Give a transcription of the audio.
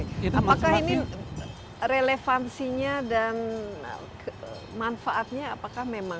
apakah ini relevansinya dan manfaatnya apakah memang